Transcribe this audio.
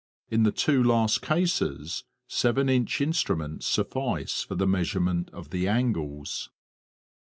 In the two last cases, 7 inch instruments suffice for the measurement of the angles.